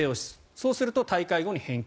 そうすると大会後に返金。